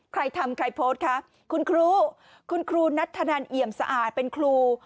ใครทำใครโพสต์คะคุณครูคุณครูนัทธนันเอี่ยมสะอาดเป็นครู